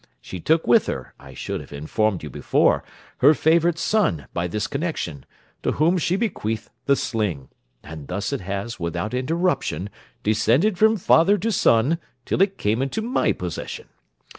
She took with her, I should have informed you before, her favourite son by this connection, to whom she bequeathed the sling; and thus it has, without interruption, descended from father to son till it came into my possession.